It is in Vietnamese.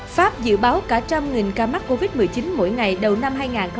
pháp dự báo cả trăm nghìn ca mắc covid một mươi chín mỗi ngày đầu năm hai nghìn hai mươi